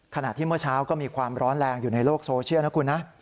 ขณะที่เมื่อเช้าก็มีความร้อนแรงอยู่ในโลกโซเชียลนะคุณนะ